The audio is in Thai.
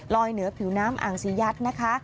ลอยเหนือผิวน้ำอ่างสียัดนะคะ